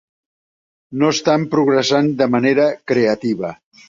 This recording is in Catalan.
No estan progressant de manera creativa.